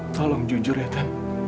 tolong jujur ya